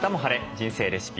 人生レシピ」